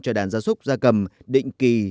cho đàn gia súc gia cầm định kỳ